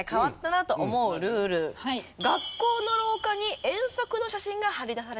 学校の廊下に遠足の写真が張り出されていた。